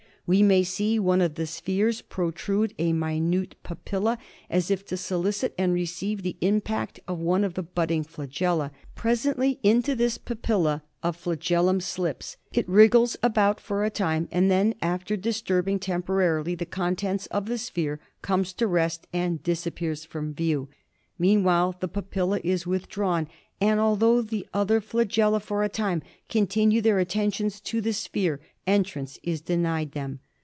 We may see one of the spheres protrude a minute papilla, as if to solicit and receive the impact of one of the butting flagella. Pre sently into this papilla a flagellum slips. It wriggles about for a time and then, after disturbing temporarily the contents of the sphere, comes to rest and disappears from view. Meanwhile the papilla is withdrawn, and although the other flagella for a time continue their attentions to the sphere, entrance is denied them.